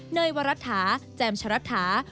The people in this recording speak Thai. เนยวรัตถาแจมชะรัฐา